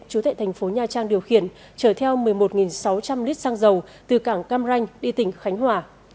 chú tệ thành phố nha trang điều khiển chở theo một mươi một sáu trăm linh lít xăng dầu từ cảng cam ranh đi tỉnh khánh hòa